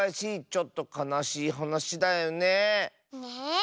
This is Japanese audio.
ちょっとかなしいはなしだよねえ。